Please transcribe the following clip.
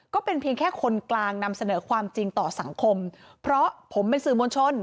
ก็เป็นเพียงแค่คนกลางนำเสนอความจริงต่อสังคมเพราะผมเป็นสื่อมวลชน